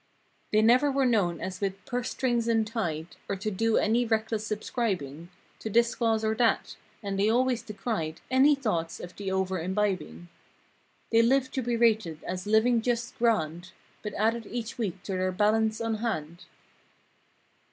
They never were known as with "purse strings untied"— Or to do any reckless subscribing 230 To this cause or that. And they always decried Any thoughts of the over imbibing. They lived to be rated as "living just grand"— But added each week to their "Balance on hand."